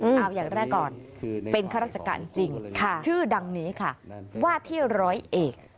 เอาอย่างแรกก่อนเป็นข้าราชการจริงชื่อดังนี้ค่ะว่าที่ร้อยเอก